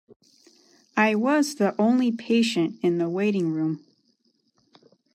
I was the only patient in the waiting room.